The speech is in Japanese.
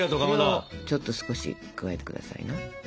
それをちょっと少し加えてくださいな。